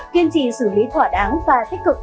kiên trì xử lý thỏa đáng và tích cực